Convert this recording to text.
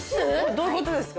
どういう事ですか？